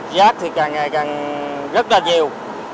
rác thì càng ngày càng rất là nhiều